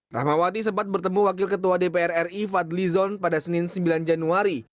rahmawati sempat bertemu wakil ketua dpr ri fadli zon pada senin sembilan januari